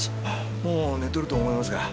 もう寝とると思いますが